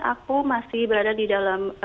aku masih berada di dalam